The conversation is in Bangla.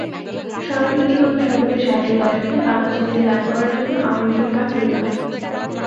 স্বরলিপিগত শতকের ষাটের দশকে বাংলা ছবিতে গান করার জন্য আমন্ত্রণ পান রুনা।